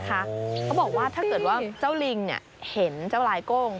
เขาบอกว่าถ้าเกิดว่าเจ้าลิงเห็นเจ้าลายโก้ง